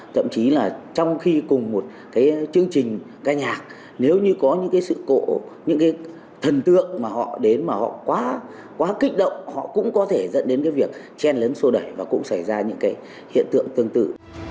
thậm chí là trong khi cùng một cái chương trình ca nhạc nếu như có những cái sự cộ những cái thần tượng mà họ đến mà họ quá quá kích động họ cũng có thể dẫn đến cái việc chen lấn sô đẩy và cũng xảy ra những cái hiện tượng tương tự